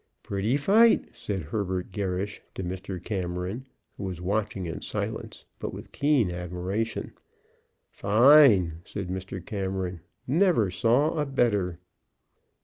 "Pretty fight!" said Herbert Gerrish to Mr. Cameron, who was watching in silence, but with keen admiration. "Fine!" said Mr. Cameron. "Never saw a better."